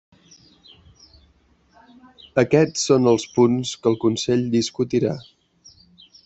Aquests són els punts que el Consell discutirà.